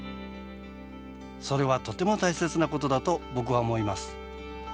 それはとても大切なことだと僕は思います。